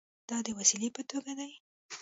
دا د وسیلې په توګه ده.